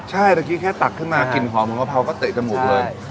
ใช่เมื่อกี้แค่ตักขึ้นมากลิ่นหอมของกะเพราก็เตะจมูกเลย